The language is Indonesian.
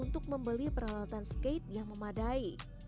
untuk membeli peralatan skate yang memadai